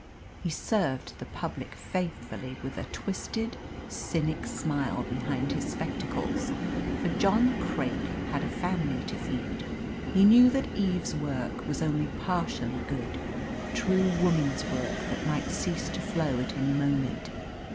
He served the public faithfully, with a twisted, cynic smile behind his spectacles for John Craik had a family to feed. He knew that Eve's work was only partially good true woman's work that might cease to flow at any moment.